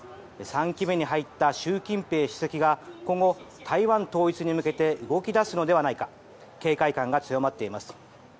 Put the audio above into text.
３期目に入った習近平主席が今後、台湾統一に向けて動き出すのではないか警戒感が強まっています。